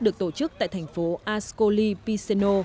được tổ chức tại thành phố assisi